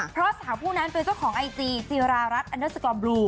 เพราะสาวผู้นั้นเป็นเจ้าของไอจีจีรารัฐอันเดอร์สกอมบลู